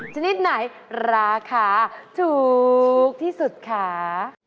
ชนิดไหนราคาถูกที่สุดคะ